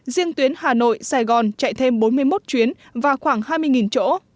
riêng tuyến hà nội sài gòn chạy thêm bốn mươi một chuyến và khoảng hai mươi chỗ